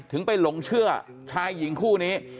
ถึงไปหลงเชื่อชายหญิงคู่นี้